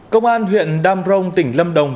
công an huyện damrong tỉnh lâm đồng